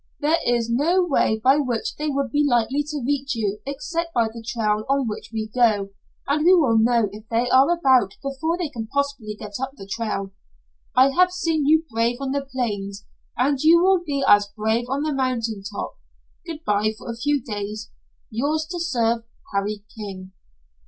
There is no way by which they would be likely to reach you except by the trail on which we go, and we will know if they are about before they can possibly get up the trail. I have seen you brave on the plains, and you will be as brave on the mountain top. Good by for a few days. "Yours to serve you, "Harry King."